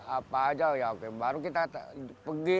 apa aja ya baru kita pergi